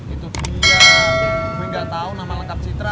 itu dia gue gak tau nama lengkap citra